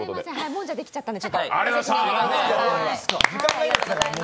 もんじゃができちゃったんで。